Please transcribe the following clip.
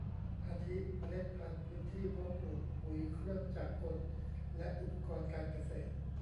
อาทิเมล็ดพันธุ์ พื้นที่เพาะปลูก ปุ๋ย เครื่องจักรกลและอุปกรณ์การเกษตร